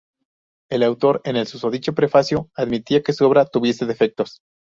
El autor, en el susodicho prefacio, admitía que su obra tuviese defectos.